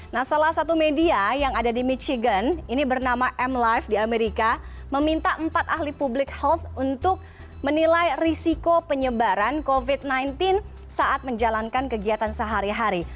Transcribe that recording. nah salah satu media yang ada di michigan ini bernama m life di amerika meminta empat ahli public health untuk menilai risiko penyebaran covid sembilan belas saat menjalankan kegiatan sehari hari